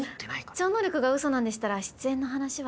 超能力がうそなんでしたら出演の話はちょっと。